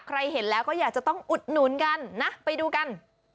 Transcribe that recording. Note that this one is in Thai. เห็นแล้วก็อยากจะต้องอุดหนุนกันนะไปดูกัน